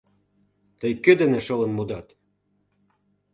Тый кӧ дене шылын модат?